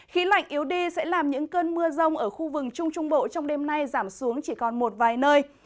khí lạnh yếu đi sẽ làm những cơn mưa rông ở khu vực trung trung bộ trong đêm nay giảm xuống chỉ còn một vài nơi